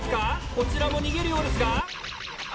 こちらも逃げるようですが。